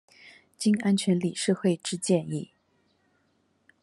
經安全理事會之建議